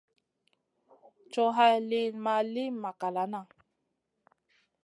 Coh hay lìyn ma li makalana.